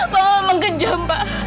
bapak memang kejam pak